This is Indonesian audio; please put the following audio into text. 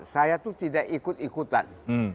saya tuh tidak ikut ikutan